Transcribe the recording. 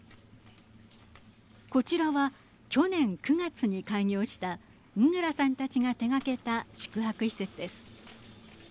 こちらは、去年９月に開業したングラさんたちが手がけた宿泊施設です。